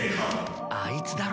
・あいつだろ？